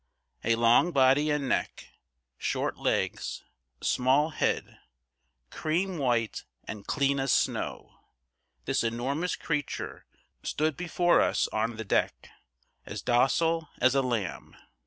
A long body and neck, short legs, small head, cream white and clean as snow, this enormous creature stood before us on the deck, as docile as a lamb.